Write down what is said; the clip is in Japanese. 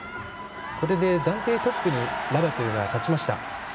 これで暫定トップにラバトゥが立ちました。